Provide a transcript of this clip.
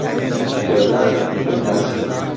بێدارە، خۆی ناسیوە